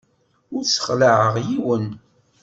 Ur ssexlaɛeɣ yiwen.